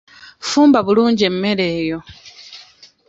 Fumba bulungi emmere eyo.